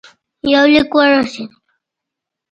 یو لیک ورسېدی.